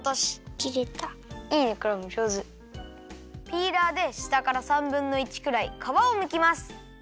ピーラーでしたから３ぶんの１くらいかわをむきます。